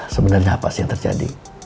sebenarnya apa sih yang terjadi